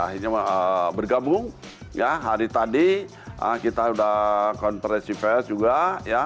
akhirnya bergabung ya hari tadi kita sudah konferensi pers juga ya